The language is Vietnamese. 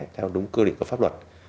theo đúng cơ định của pháp luật